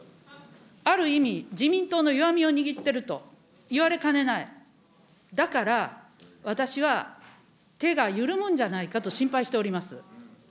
ある意味、自民党の弱みを握ってると言われかねない、だから、私は手が緩むんじゃないかと心配しております。